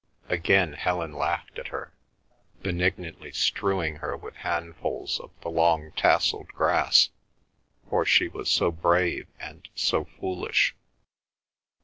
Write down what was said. Again Helen laughed at her, benignantly strewing her with handfuls of the long tasselled grass, for she was so brave and so foolish.